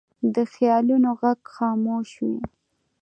د خیالونو غږ خاموش وي